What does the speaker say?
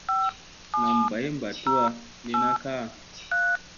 Nam bay mba tuwa li na kaaʼa.